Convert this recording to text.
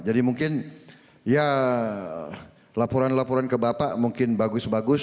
jadi mungkin ya laporan laporan ke bapak mungkin bagus bagus